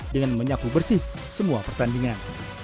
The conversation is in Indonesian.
dengan menyaku bersih semua pertandingan